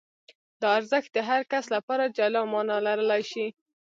دا ارزښت د هر کس لپاره جلا مانا لرلای شي.